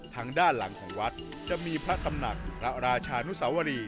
ทางด้านหลังของวัดจะมีพระตำหนักพระราชานุสวรี